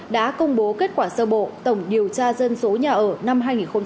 đã công bố kết quả sơ bộ tổng điều tra dân số nhà ở năm hai nghìn một mươi chín